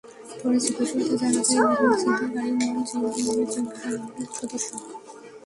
পরে জিজ্ঞাসাবাদে জানা যায়, রুবেল ছিনতাইকারী নন, জেএমবি নামের জঙ্গি সংগঠনটির সদস্য।